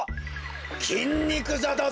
きんにくざだぞ！